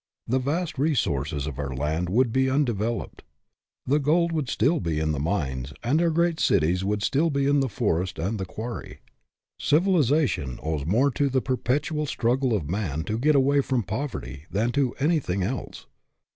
The vast resources of our land would still be undeveloped, the gold would still be in the mines, and our great cities would still be in the forest and the quarry. Civilization owes more to the perpetual struggle of man to get away from poverty than to anything else.